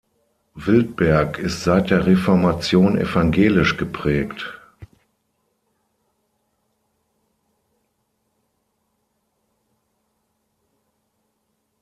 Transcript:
Wildberg ist seit der Reformation evangelisch geprägt.